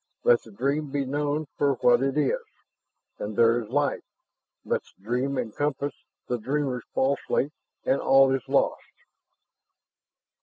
Let the dream be known for what it is, and there is life. Let the dream encompass the dreamer falsely, and all is lost."